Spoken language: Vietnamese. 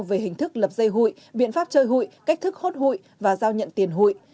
về hình thức lập dây hụi biện pháp chơi hụi cách thức hốt hụi và giao nhận tiền hụi